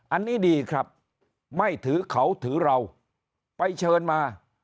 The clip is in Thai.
อันนี้ดีครับไม่ถือเขาถือเราไปเชิญมา